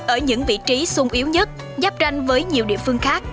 ở những vị trí sung yếu nhất giáp ranh với nhiều địa phương khác